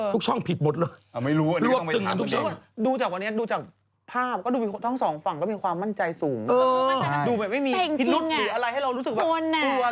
ต้องมีรู้ไงอันนี้ผมก็ไม่รู้ความกฎหมายผิดทำกันเอง